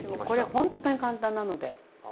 これほんとに簡単なので。